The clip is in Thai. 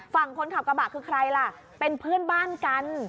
ฝั่งคนขับกระบะคือใครล่ะเป็นเพื่อนบ้านกัน